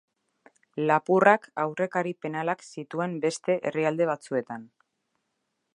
Lapurrak aurrekari penalak zituen beste herrialde batzuetan.